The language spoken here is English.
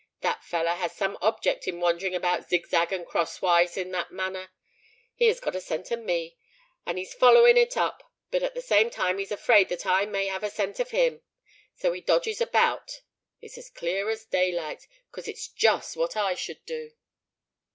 That fellow has some object in wandering about zigzag and crosswise in that manner. He has got a scent of me; and he's following it up. But at the same time he's afraid that I may have a scent of him; and so he dodges about. It's as clear as day light—'cause it's just what I should do."